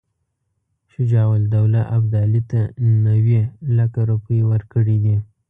شجاع الدوله ابدالي ته نیوي لکه روپۍ ورکړي دي.